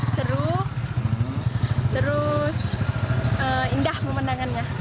seru terus indah pemenangannya